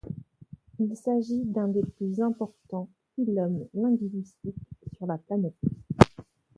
Il s'agit d'un des plus importants phylums linguistiques sur la planète.